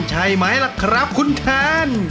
ใช่ไหมล่ะครับคุณแคน